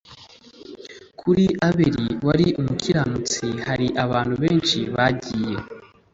kuri Abeli wari umukiranutsi hari abantu benshi bagiye